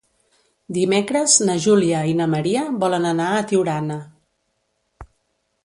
Dimecres na Júlia i na Maria volen anar a Tiurana.